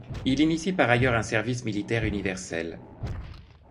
Il initie par ailleurs un service militaire universel.